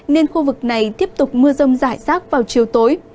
nên khu vực này tiếp tục mưa rông rải rác vào chiều tối